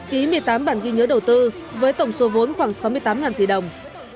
ký một mươi tám bản ghi nhớ đầu tư với tổng số vốn khoảng sáu mươi tám tỷ đồng